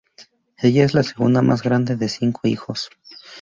Ella es la segunda más grande de cinco hijos.